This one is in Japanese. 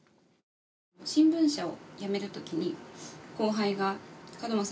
新聞社を辞めるときに後輩が「門間さん